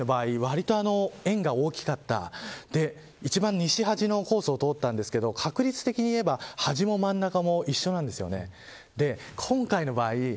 今回の場合、わりと円が大きかった一番西端のコースを通ったんですが確率的には端も真ん中も一緒なんです。